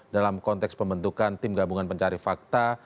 dalam konteks pembentukan tim gabungan pencari fakta